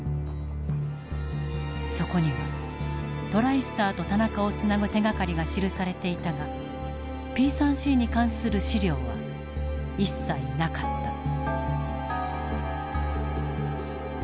そこにはトライスターと田中をつなぐ手がかりが記されていたがＰ３Ｃに関する資料は一切なかった。